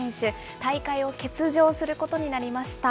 大会を欠場することになりました。